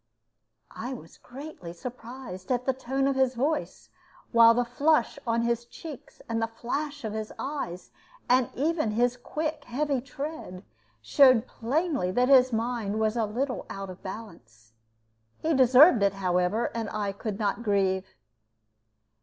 I was greatly surprised at the tone of his voice, while the flush on his cheeks and the flash of his eyes, and even his quick heavy tread, showed plainly that his mind was a little out of balance. He deserved it, however, and I could not grieve.